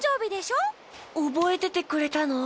おぼえててくれたの？